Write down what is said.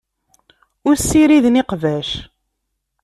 Ur ssiriden iqbac.